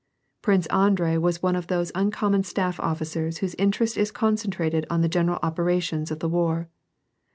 Prince Andrei was one of those uncommon staff officers whose interest is concentrated on the general operations of the war.